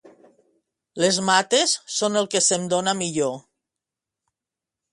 Les mates són el que se'm dona millor.